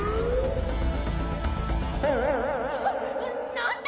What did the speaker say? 何だ？